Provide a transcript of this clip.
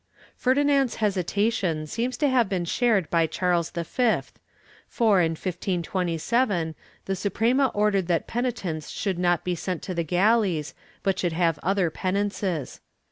Ferdinand's hesitation seems to have been shared by Charles V for, in 1527, the Suprema ordered that penitents should not be sent to the galleys but should have other penances.